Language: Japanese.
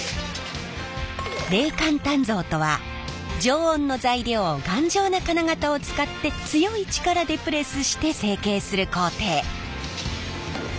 冷間鍛造とは常温の材料を頑丈な金型を使って強い力でプレスして成形する工程。